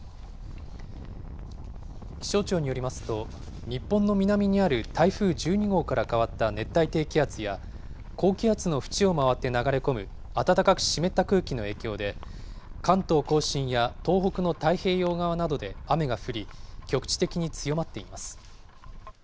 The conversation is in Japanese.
気象庁によりますと、日本の南にある台風１２号から変わった熱帯低気圧や、高気圧の縁を回って流れ込む暖かく湿った空気の影響で、関東甲信や東北の太平洋側などで雨が降り、局地的に強まっています。